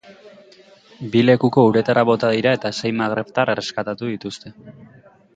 Bi lekuko uretara bota dira eta sei magrebtar erreskatatu dituzte.